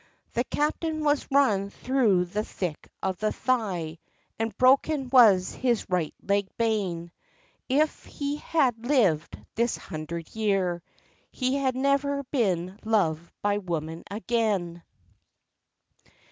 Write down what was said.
The captain was run thro' the thick of the thigh— And broken was his right leg bane; If he had lived this hundred year, He had never been loved by woman again.